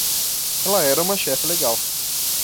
Ela era uma chefe legal.